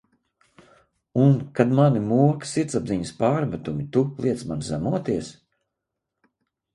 Un, kad mani moka sirdsapziņas pārmetumi, tu Iiec man zemoties?